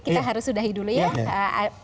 kita harus sudahi dulu ya